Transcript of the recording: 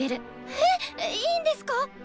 えっいいんですか？